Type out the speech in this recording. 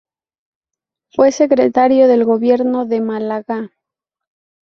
Fue Secretario del Gobierno de Málaga.